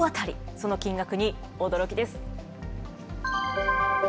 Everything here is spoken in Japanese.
その金額に驚きです。